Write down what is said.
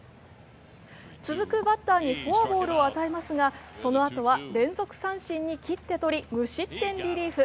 続くバッターにフォアボールを与えますが、そのあとは連続三振に切って取り無失点リリーフ。